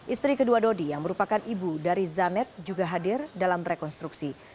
istri kedua dodi yang merupakan ibu dari zanet juga hadir dalam rekonstruksi